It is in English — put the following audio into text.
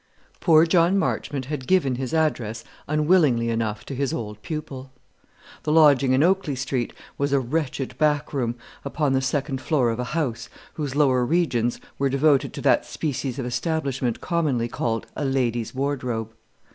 Poor John Marchmont had given his address unwillingly enough to his old pupil. The lodging in Oakley Street was a wretched back room upon the second floor of a house whose lower regions were devoted to that species of establishment commonly called a "ladies' wardrobe."